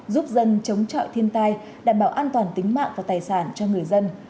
giúp dân chống chọi thiên tai đảm bảo an toàn tính mạng và tài sản cho người dân